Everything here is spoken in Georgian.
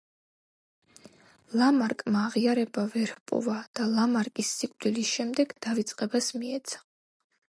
ლამარკმა აღიარება ვერ ჰპოვა და ლამარკის სიკვდილის შემდეგ დავიწყებას მიეცა.